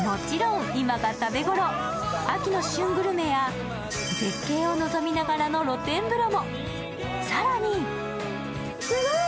もちろん今が食べごろ秋の旬グルメや絶景を望みながらの露天風呂も。